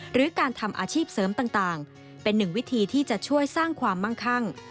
หรือการทำอาชีพเสริมต่างเป็นหนึ่งวิธีที่จะช่วยสร้างความมั่งคั่ง